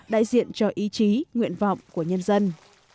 đại diện cho ý chí nguyện vọng của nhân dân